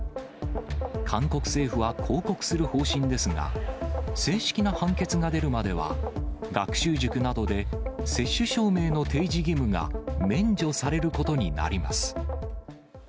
韓国政府は抗告する方針ですが、正式な判決が出るまでは、学習塾などで接種証明の提示義務が免除されることになります。